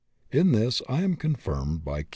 In this I am confirmed by Q.